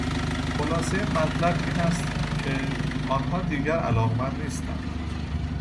خلاصهی مطلب این است که آنها دیگر علاقهمند نیستند.